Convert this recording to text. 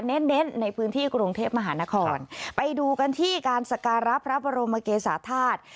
เน้นในพื้นที่กรุงเทพมหานครไปดูกันที่การสการะพระบรมเกษาธาตุ